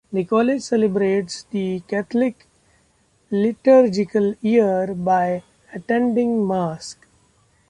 The College celebrates the Catholic liturgical year by attending Mass.